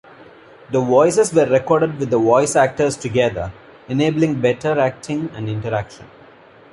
The voices were recorded with the voice actors together, enabling better acting and interaction.